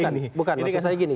bukan bukan masuk saja gini